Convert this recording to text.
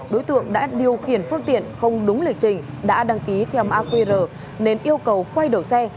đối tượng đã điều khiển phương tiện không đúng lịch trình đã đăng ký theo mã qr nên yêu cầu quay đầu xe